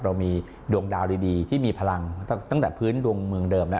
เรามีดวงดาวดีที่มีพลังตั้งแต่พื้นดวงเมืองเดิมแล้ว